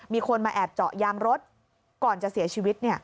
มีคนมาแอบเจาะยางรถก่อนจะเสียชีวิต